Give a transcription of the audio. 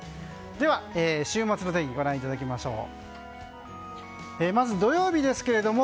では、週末の天気ご覧いただきましょう。